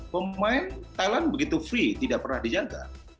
pemain thailand begitu free tidak pernah dijaga